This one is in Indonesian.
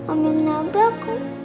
om yang nabrak kan